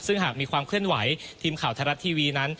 ซึ่งหากมีความเคลื่อนไหวทีมข่าวไทยรัฐทีวีนั้น